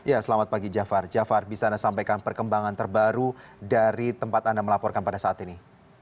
ya selamat pagi jafar jafar bisa anda sampaikan perkembangan terbaru dari tempat anda melaporkan pada saat ini